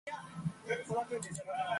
It has never re-surfaced.